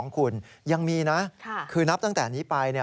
คุณยังมีนะคือนับตั้งแต่นี้ไปเนี่ย